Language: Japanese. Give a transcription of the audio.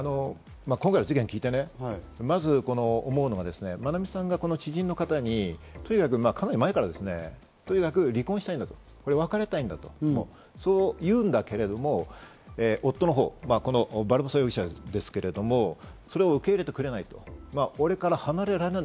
今回の事件を聞いて、まず思うのは、愛美さんが知人の方に、とにかくかなり前から離婚したいんだと、別れたいんだとそう言うんだけれども、夫のほう、バルボサ容疑者ですけれども、それを受け入れてくれないと。